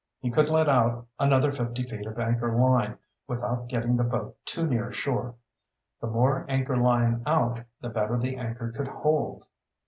He could let out another fifty feet of anchor line without getting the boat too near shore. The more anchor line out, the better the anchor could hold.